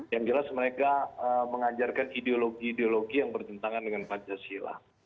yang jelas mereka mengajarkan ideologi ideologi yang bertentangan dengan pancasila